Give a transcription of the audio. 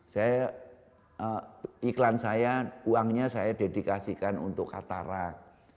saya iklan saya uangnya saya dedikasikan untuk katarak